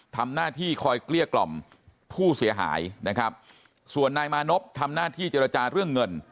ทำหน้าที่คอยเกลี้ยกล่อมผู้เสียหายนะครับส่วนนายมานพทำหน้าที่เจรจาเรื่องเงิน